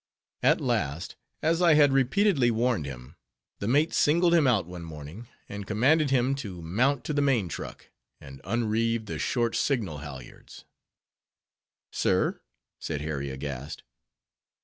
At last, as I had repeatedly warned him, the mate singled him out one morning, and commanded him to mount to the main truck, and unreeve the short signal halyards. "Sir?" said Harry, aghast.